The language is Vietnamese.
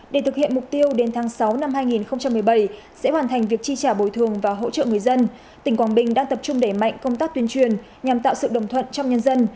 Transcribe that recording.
để thực hiện mục tiêu đến tháng sáu năm hai nghìn một mươi bảy sẽ hoàn thành việc chi trả bồi thường và hỗ trợ người dân tỉnh quảng bình đang tập trung đẩy mạnh công tác tuyên truyền nhằm tạo sự đồng thuận trong nhân dân